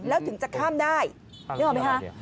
แล้วถึงจะข้ามได้นึกออกไหมคะ